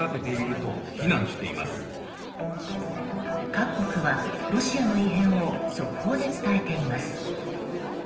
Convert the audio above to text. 各国はロシアの異変を速報で伝えています。